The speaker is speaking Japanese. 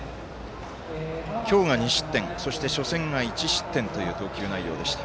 今日が２失点初戦が１失点という投球内容でした。